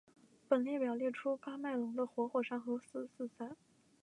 本列表列出喀麦隆的活火山与死火山。